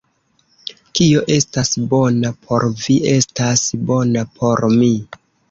Kio estas bona por vi, estas bona por mi.